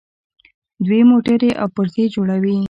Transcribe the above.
دوی موټرې او پرزې جوړوي.